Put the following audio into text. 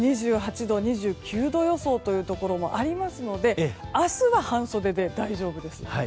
２８度、２９度予想というところもありますので明日は半袖で大丈夫です。